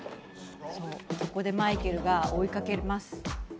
ここでマイケルが追いかけます。